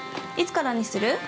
いつからにする？